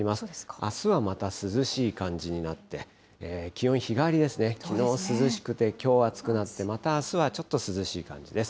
あすはまた涼しい感じになって、気温、日替わりですね、きのう涼しくて、きょう暑くなって、またあすはちょっと涼しい感じです。